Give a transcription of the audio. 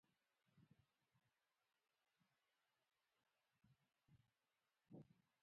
ازادي راډیو د د بیان آزادي په اړه د پرانیستو بحثونو کوربه وه.